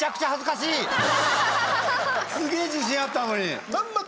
すげえ自信あったのに。